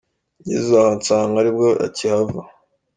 Njyeze aha nsanga aribwo akihava.